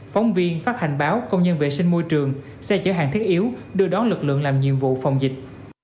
phóng viên phát hành báo công nhân vệ sinh môi trường xe chở hàng thiết yếu đưa đón lực lượng làm nhiệm vụ phòng dịch